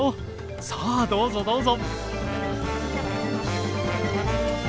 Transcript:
さあどうぞどうぞ。